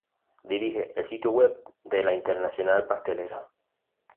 Dirige el sitio web de la Internacional Pastelera.